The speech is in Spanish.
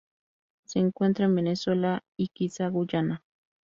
Se encuentra en Venezuela y quizá Guyana.